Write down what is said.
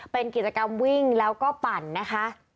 เป็นกิจกรรมวิ่งแล้วก็ปั่นนะคะ